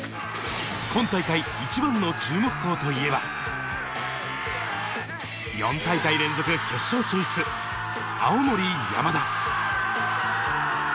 今大会、一番の注目校といえば、４大会連続決勝進出、青森山田。